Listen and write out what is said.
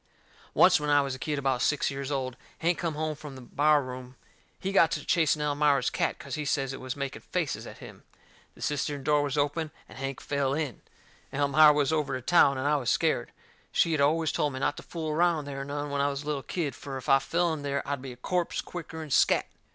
Oncet, when I was a kid about six years old, Hank come home from the bar room. He got to chasing Elmira's cat cause he says it was making faces at him. The cistern door was open, and Hank fell in. Elmira was over to town, and I was scared. She had always told me not to fool around there none when I was a little kid, fur if I fell in there I'd be a corpse quicker'n scatt.